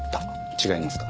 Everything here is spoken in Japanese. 違いますか？